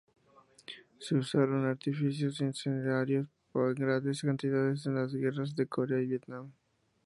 Se usaron "artificios incendiarios" en grandes cantidades en las guerras de Corea y Vietnam.